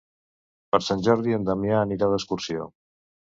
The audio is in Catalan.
Per Sant Jordi en Damià anirà d'excursió.